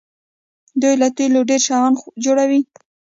دوی له تیلو ډیر شیان جوړوي.